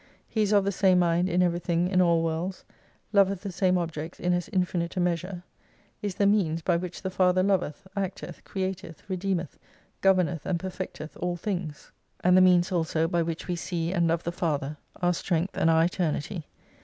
He is of the same mind in everything in all worlds, loveth the same objects in as infinite a measure. Is the means by which the Father loveth, acteth, createth, redeemeth, governeth, and perfecteth all things. And the means IM also by which we see and love the Father : our strength and our eternity.